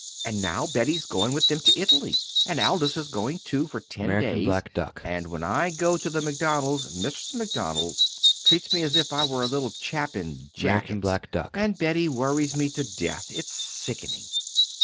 And now Betty's going with them to Italy, and Aldous is going too for ten days and when I go to the Macdonalds Mrs. Macdonald treats me as if I were a little chap in jackets, and Betty worries me to death. It's sickening!"